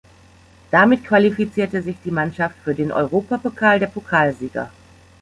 Damit qualifizierte sich die Mannschaft für den Europapokal der Pokalsieger.